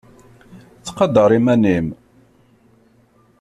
Ttqadar iman-im!